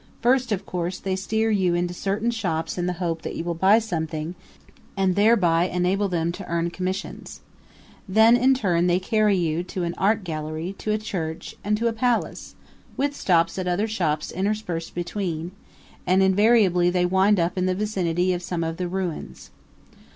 First, of course, they steer you into certain shops in the hope that you will buy something and thereby enable them to earn commissions. Then, in turn, they carry you to an art gallery, to a church, and to a palace, with stops at other shops interspersed between; and invariably they wind up in the vicinity of some of the ruins.